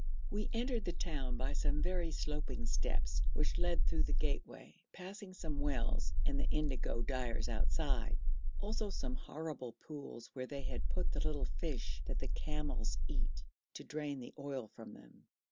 We entered the town by some very sloping steps, which led through the gateway, passing some wells and the indigo dyers outside; also some horrible pools where they had put the little fish that the camels eat, to drain the oil from them.